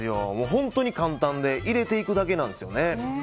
本当に簡単で入れていくだけなんですよね。